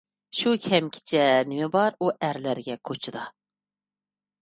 شۇ كەچكىچە نېمە بار ئۇ ئەرلەرگە كوچىدا؟